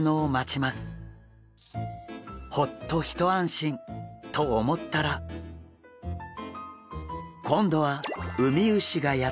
ホッと一安心。と思ったら今度はウミウシがやって来ました！